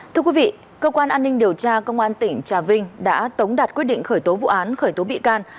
thưa quý vị cơ quan an ninh điều tra công an tỉnh trà vinh đã tống đạt quyết định khởi tố vụ án khởi tố bị can